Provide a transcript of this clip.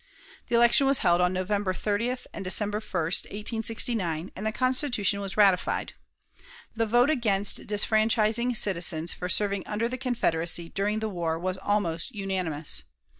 The election was held on November 30 and December 1, 1869, and the Constitution was ratified. The vote against disfranchising citizens for serving under the Confederacy during the war was almost unanimous.